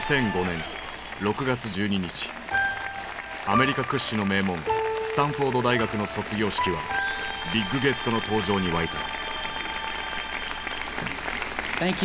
アメリカ屈指の名門スタンフォード大学の卒業式はビッグゲストの登場に沸いた。